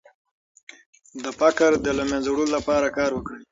د فقر د له منځه وړلو لپاره کار وکړئ.